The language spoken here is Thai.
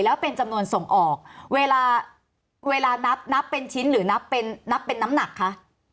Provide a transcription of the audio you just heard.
แล้วเป็นจำนวนส่งออกเวลาเวลานับนับเป็นชิ้นหรือนับเป็นนับเป็นน้ำหนักคะ